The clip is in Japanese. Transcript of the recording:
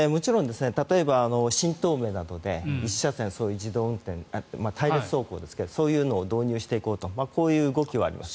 例えば新東名などで１車線、自動運転隊列走行ですがそういうのを導入していこうとこういう動きはあります。